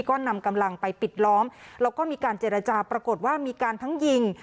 ก็นำกำลังไปปิดล้อมแล้วก็มีการเจรจาปรากฏว่ามีการทั้งยิง